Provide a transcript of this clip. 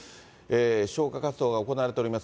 消火活動が行われております。